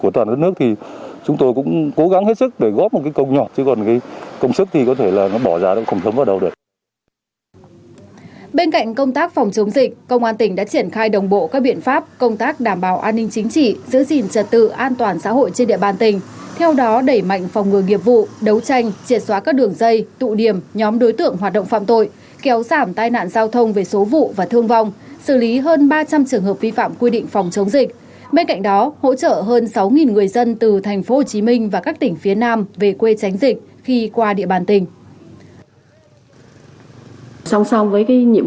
trong trường hợp chống dịch công an tỉnh đã triển khai đồng bộ các biện pháp công tác đảm bảo an ninh chính trị giữ gìn trật tự an toàn xã hội trên địa bàn tỉnh theo đó đẩy mạnh phòng ngừa nghiệp vụ đấu tranh triệt xóa các đường dây tụ điểm nhóm đối tượng hoạt động phạm tội kéo giảm tai nạn giao thông về số vụ và thương vong xử lý hơn ba trăm linh trường hợp vi phạm quy định phòng chống dịch bên cạnh đó hỗ trợ hơn sáu người dân từ tp hcm và các tỉnh phía nam về quê tránh dịch khi qua địa bàn tỉnh